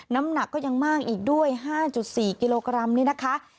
น้ำหนักก็ยังมากอีกด้วย๕๔กิโลกรัมนี่นะคะ